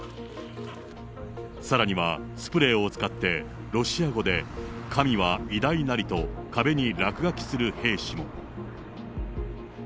さらにはスプレーを使ってロシア語で、神は偉大なりと壁に落書きする兵士も。